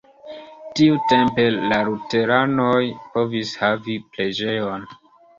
Tiutempe la luteranoj povis havi preĝejon.